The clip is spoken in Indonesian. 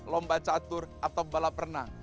lomba catur atau balap renang